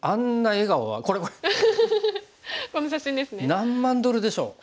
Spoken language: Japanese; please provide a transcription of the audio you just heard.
何万ドルでしょう。